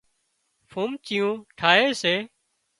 ڦومچيون ٺاهي سي